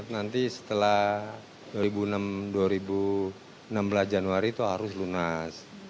nanti setelah dua ribu enam dua ribu enam belas januari itu arus lunas